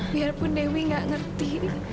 biarpun dewi gak ngerti